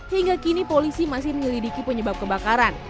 hingga kini polisi masih menyelidiki penyebab kebakaran